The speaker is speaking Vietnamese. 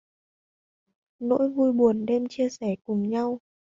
Nỗi vui buồn đem chia sẻ cùng nhau